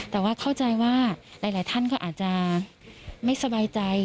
แต่ว่าเข้าใจว่าหลายท่านก็อาจจะไม่สบายใจ